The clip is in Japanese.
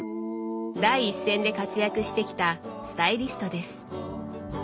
第一線で活躍してきたスタイリストです。